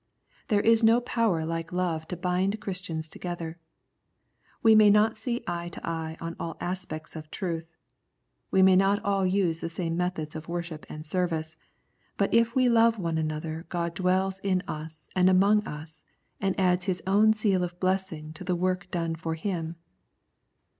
There is no power like love to bind Christians together. We may not see eye to eye on all aspects of truth ; we may not all use the same methods of worship and service, but if we love one another God dwells in us and among us, and adds His own seal of blessing to the work done for Him.